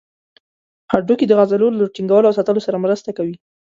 هډوکي د عضلو له ټینګولو او ساتلو سره مرسته کوي.